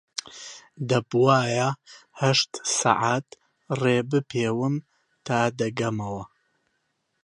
دەبوایە هەشت سەعات ڕێ بپێوم تا دەگەمەوە